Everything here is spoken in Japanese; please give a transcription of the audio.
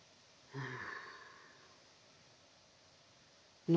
うん。